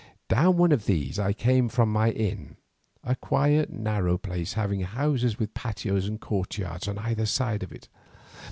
Down one of these I came from my inn, a quiet narrow place having houses with patios or courtyards on either side of it.